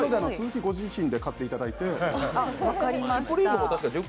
続きはご自身で買っていただいて。